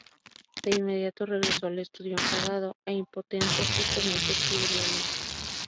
De inmediato regresó al estudio enfadado e impotente y comenzó a escribir la letra.